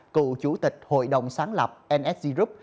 cựu chủ tịch hội đồng sáng lập nsg group